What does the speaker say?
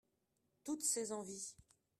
Toutes ses envies.